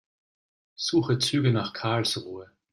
Suche Züge nach Karlsruhe.